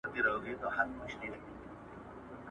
هغه نجلۍ چې په روغتون کې کار کوي، نرس ده.